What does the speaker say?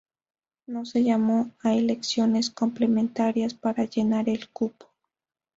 No se llamó a elecciones complementarias para llenar el cupo.